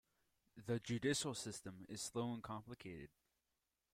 The judicial system is slow and complicated.